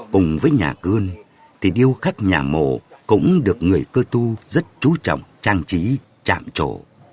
cùng với nhà cươn thì điêu khắc nhà mộ cũng được người cơ tu rất trú trọng trang trí trạm trổ